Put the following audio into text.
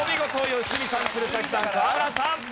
良純さん鶴崎さん河村さん。